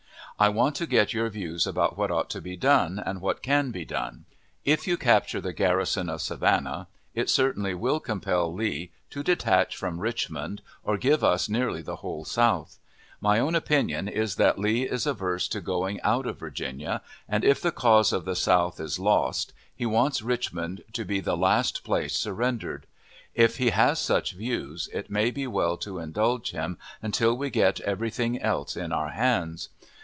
I want to get your views about what ought to be done, and what can be done. If you capture the garrison of Savannah, it certainly will compel Lee to detach from Richmond, or give us nearly the whole South. My own opinion is that Lee is averse to going out of Virginia, and if the cause of the South is lost he wants Richmond to be the last place surrendered. If he has such views, it may be well to indulge him until we get every thing else in our hands.